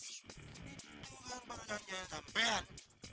itu kan perjanjian sampean